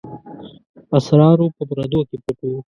اسرارو په پردو کې پټ وو.